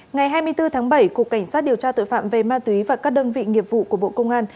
ngày hai mươi bốn tháng bảy cục cảnh sát điều tra tội phạm về ma túy và các đơn vị nghiệp vụ của bộ công an